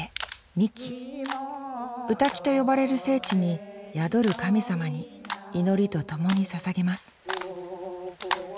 「御嶽」と呼ばれる聖地に宿る神様に祈りとともにささげます